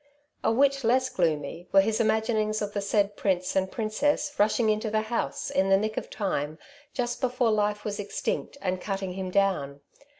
A whit less gloomy were his imaginings of the said prince and princess rushing into the house, in the nick of time, just before life was extinct, and cutting him down.